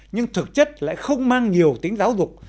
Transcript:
nhưng thực chất lại không mang nhiều tính giáo dục